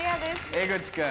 江口君。